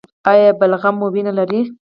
ایا بلغم مو وینه لري؟